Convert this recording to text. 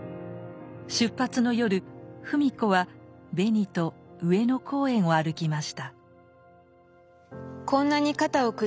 出発の夜芙美子はベニと上野公園を歩きました。